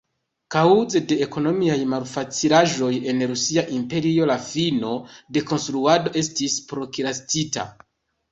Kaŭze de ekonomiaj malfacilaĵoj en Rusia Imperio la fino de konstruado estis prokrastita.